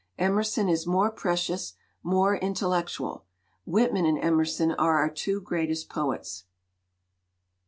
Emerson is more precious, more intellectual. Whitman and Emerson are our two greatest poets."